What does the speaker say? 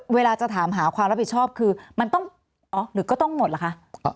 เวลาจะถามหาความรับผิดชอบคือมันต้องอ๋อหรือก็ต้องหมดเหรอคะ